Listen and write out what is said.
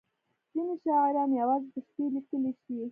• ځینې شاعران یوازې د شپې لیکلی شي.